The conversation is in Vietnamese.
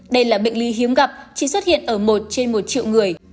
đây là bệnh lý hiếm gặp chỉ xuất hiện ở một trên một triệu người